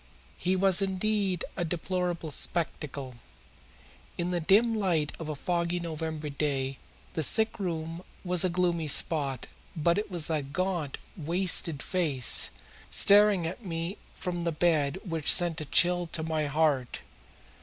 He was indeed a deplorable spectacle. In the dim light of a foggy November day the sick room was a gloomy spot, but it was that gaunt, wasted face staring at me from the bed which sent a chill to my heart.